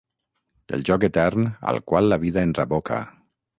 El joc etern al qual la vida ens aboca.